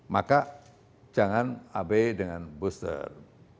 maka jangan abe dengan booster